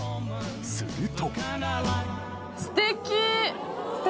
すると。